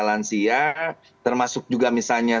lansia termasuk juga misalnya